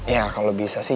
ya kalau bisa sih